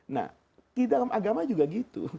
nah di dalam agama juga gitu